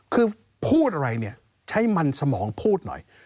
คือพูดอะไรเนี่ยใช้มันสมองพูดหน่อย